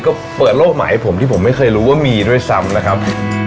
ก็เปิดโลกใหม่ให้ผมที่ผมไม่เคยรู้ว่ามีด้วยซ้ำนะครับ